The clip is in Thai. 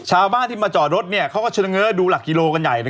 ชาวบ้านที่มาจอรถเชิงเรือดูหลักกิโลกรัมใหญ่